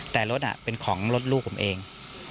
แต่รถเป็นของรถลูกผมเอง